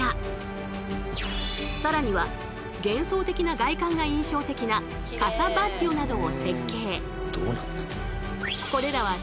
更には幻想的な外観が印象的な「カサ・バッリョ」などを設計。